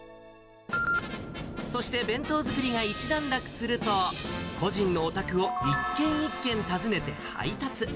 そして弁当作りが一段落すると、個人のお宅を一軒一軒訪ねて、配達。